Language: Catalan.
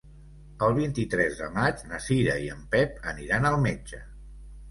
El vint-i-tres de maig na Cira i en Pep aniran al metge.